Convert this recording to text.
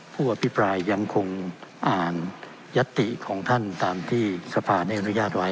ผู้อภิปรายยังคงอ่านยัตติของท่านตามที่สภาได้อนุญาตไว้